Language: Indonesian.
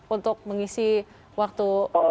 untuk mengisi waktu